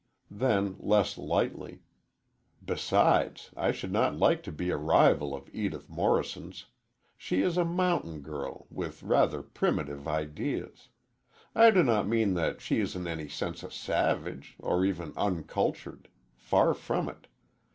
Then, less lightly, "Besides, I should not like to be a rival of Edith Morrison's. She is a mountain girl, with rather primitive ideas. I do not mean that she is in any sense a savage or even uncultured. Far from it.